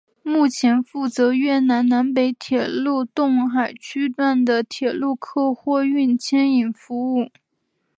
目前负责越南南北铁路洞海区段的铁路客货运牵引任务。